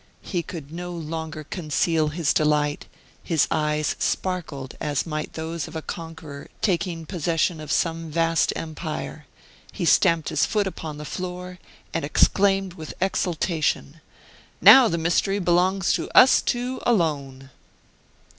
He could no longer conceal his delight; his eyes sparkled as might those of a conqueror taking possession of some vast empire: he stamped his foot upon the floor and exclaimed with exultation: "Now the mystery belongs to us two alone!"